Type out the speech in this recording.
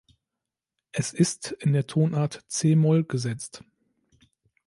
Es ist in der Tonart C-Moll gesetzt.